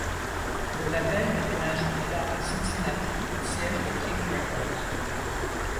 Le label déménage plus tard à Cincinnati, siège de King Records.